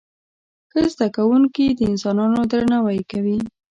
ښه زده کوونکي د انسانانو درناوی کوي.